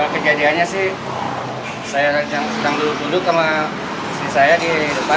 kejadiannya sih saya sedang duduk sama si saya di depan